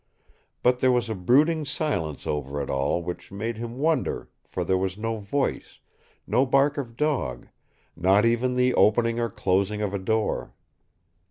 But there was a brooding silence over it all which made him wonder, for there was no voice, no bark of dog, not even the opening or closing of a door.